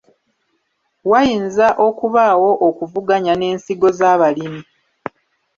Wayinza okubaawo okuvuganya n’ensigo z’abalimi.